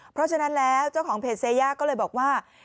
เพราะฉะนั้นแล้วเจ้าของเพจเซย่าก็เลยบอกว่า